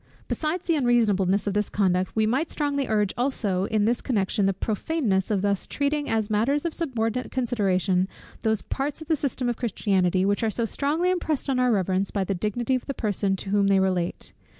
Besides the unreasonableness of this conduct, we might strongly urge also in this connection the prophaneness of thus treating as matters of subordinate consideration those parts of the system of Christianity, which are so strongly impressed on our reverence by the dignity of the person to whom they relate.